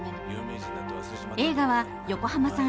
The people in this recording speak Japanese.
映画は横浜さん